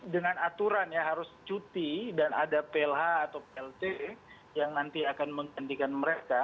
dengan aturan ya harus cuti dan ada plh atau plt yang nanti akan menggantikan mereka